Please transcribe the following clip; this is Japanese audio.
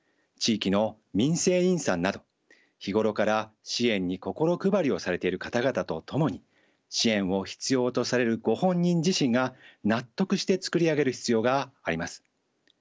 地域の民生委員さんなど日頃から支援に心配りをされている方々と共に支援を必要とされるご本人自身が納得して作り上げる必要があります。